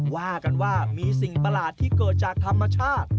ว่ากันว่ามีสิ่งประหลาดที่เกิดจากธรรมชาติ